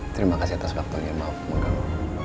terima kasih atas waktu ya maaf mengganggu